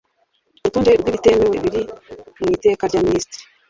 urutonde rw’ibitemewe biri mu iteka rya minisitiri